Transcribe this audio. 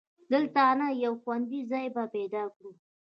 دلته نه، یو خوندي ځای به پیدا کړو.